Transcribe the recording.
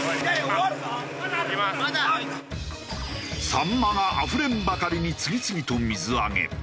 サンマがあふれんばかりに次々と水揚げ。